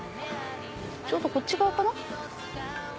ちょうどこっち側かな。